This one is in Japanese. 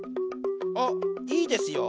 あいいですよ。